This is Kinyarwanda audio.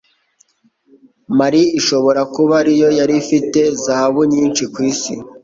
Mali ishobora kuba ari yo yari ifite zahabu nyinshi kwisi